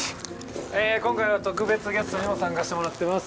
ええ今回は特別ゲストにも参加してもらってます。